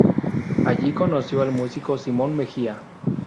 Allí conoció al músico Simón Mejía.